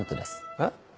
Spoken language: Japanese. えっ？